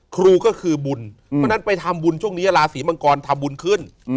ครูก็คือบุญเพราะฉะนั้นไปทำบุญช่วงนี้ราศีมังกรทำบุญขึ้น